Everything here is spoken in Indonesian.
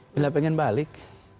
bila pengen balik